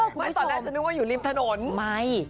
คุณผู้ชมมายง็จะนึงว่าอยู่ริมถนนไม่